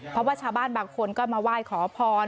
เพราะว่าชาวบ้านบางคนก็มาไหว้ขอพร